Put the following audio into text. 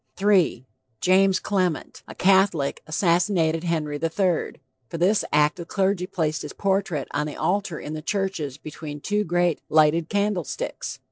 III. JAMES CLEMENT, a Catholic, assassinated Henry III. For this act the clergy placed his portrait on the altar in the churches between two great lighted candle sticks.